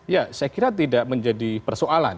ya saya kira tidak menjadi persoalan